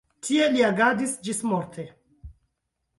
Tie li agadis ĝismorte.